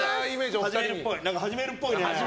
何か始めるっぽいね。